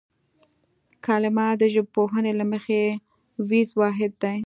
کلمه د ژبپوهنې له مخې وییز واحد دی